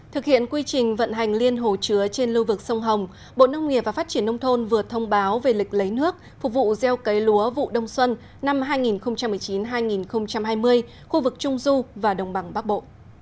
thực hiện quy trình vận hành liên hồ chứa trên lưu vực sông hồng bộ nông nghiệp và phát triển nông thôn vừa thông báo về lịch lấy nước phục vụ gieo cấy lúa vụ đông xuân năm hai nghìn một mươi chín hai nghìn hai mươi khu vực trung du và đồng bằng bắc bộ